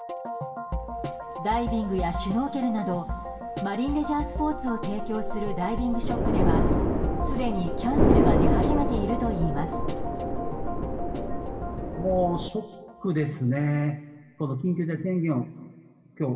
ダイビングやシュノーケルなどマリンレジャースポーツを提供するダイビングショップではすでにキャンセルが出始めているといいます。